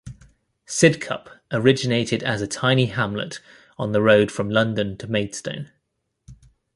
Sidcup originated as a tiny hamlet on the road from London to Maidstone.